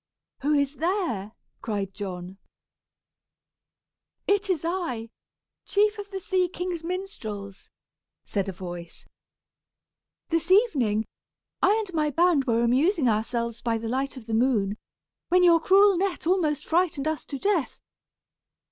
"Who is there?" cried John. "It is I chief of the sea king's minstrels," said a voice. "This evening, I and my band were amusing ourselves by the light of the moon, when your cruel net almost frightened us to death.